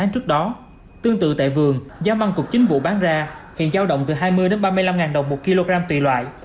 tương tự tại vườn giá măng cục chính vụ bán ra hiện giao động từ hai mươi ba mươi năm đồng một kg tỷ loại